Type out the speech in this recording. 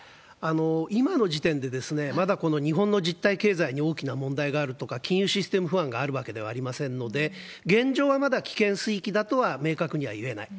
今の時点で、まだこの日本の実体経済に大きな問題があるとか、金融システム不安があるわけではありませんので、現状はまだ危険水域だとは明確にはいえない。